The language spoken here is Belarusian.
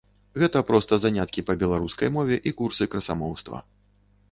Гэта проста заняткі па беларускай мове і курсы красамоўства.